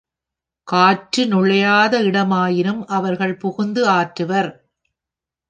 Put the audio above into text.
காற்று நுழையாத இடமாயினும் அவர்கள் புகுந்து ஆற்றுவர்.